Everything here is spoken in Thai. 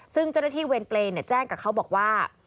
ซึ่งเจ้าหน้าที่เวรเปรย์แจ้งกับเขาบอกว่า